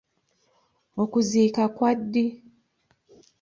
Okuziika kwa ddi?